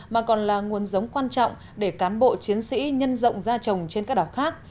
mà còn là nguồn giống quan trọng để cán bộ chiến sĩ nhân rộng ra trồng trên các đảo khác